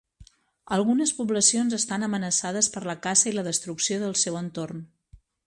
Algunes poblacions estan amenaçades per la caça i la destrucció del seu entorn.